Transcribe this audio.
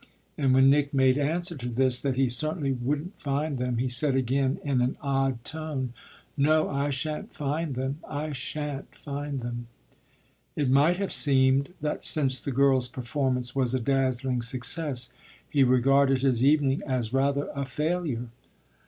And when Nick made answer to this that he certainly wouldn't find them he said again in an odd tone: "No, I shan't find them I shan't find them." It might have seemed that since the girl's performance was a dazzling success he regarded his evening as rather a failure.